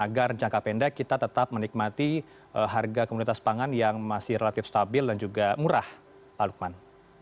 agar jangka pendek kita tetap menikmati harga komunitas pangan yang masih relatif stabil dan juga murah pak lukman